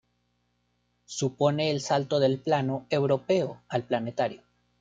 Supone el salto del plano europeo al planetario.